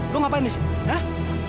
lu ngapain disini hah